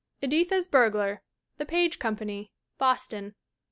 Editha's Burglar. The Page Company, Boston.